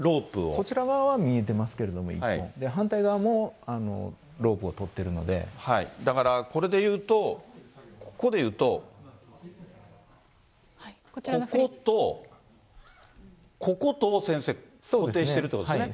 こちら側は見えてますけれども、反対側もローだから、これでいうと、ここで言うと、ここと、こことを先生、固定してるってことですよね。